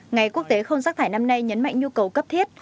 ngày quốc tế không rác thải năm nay nhấn mạnh nhu cầu cấp thiết